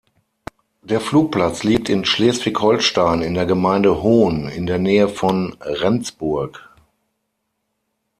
Der Flugplatz liegt in Schleswig-Holstein in der Gemeinde Hohn in der Nähe von Rendsburg.